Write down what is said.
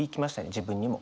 自分にも。